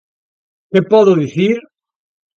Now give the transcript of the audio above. Que podo dicir?